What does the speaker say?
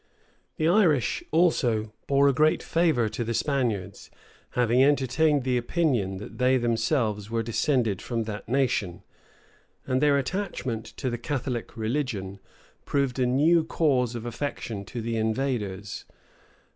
The Irish, also, bore a great favor to the Spaniards, having entertained the opinion that they themselves were descended from that nation; and their attachment to the Catholic religion proved a new cause of affection to the invaders.